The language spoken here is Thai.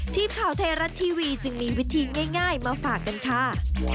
ทีมข่าวไทยรัฐทีวีจึงมีวิธีง่ายมาฝากกันค่ะ